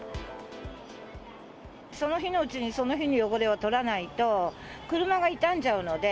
その日のうちにその日の汚れを取らないと、車が傷んじゃうので。